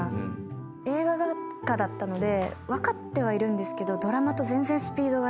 映画学科だったので分かってはいるんですけど。